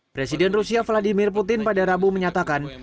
presiden rusia vladimir putin pada rabu menyatakan